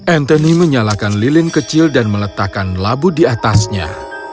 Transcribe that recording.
anthony menyalakan lilin kecil dan meletakkan labu di atasnya